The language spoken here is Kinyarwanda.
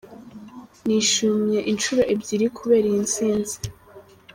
Nishimye inshuro ebyiri kubera iyi ntsinzi!”.